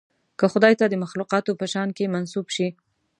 که خدای ته د مخلوقاتو په شأن کې منسوب شي.